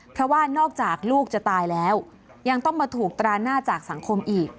เพราะว่านอกจากลูกจะตายแล้วยังต้องมาถูกตราหน้าจากสังคมอีก